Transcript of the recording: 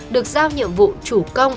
được giao nhiệm vụ chủ công